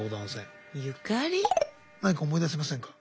何か思い出せませんか？